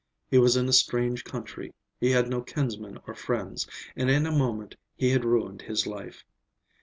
He was in a strange country, he had no kinsmen or friends, and in a moment he had ruined his life.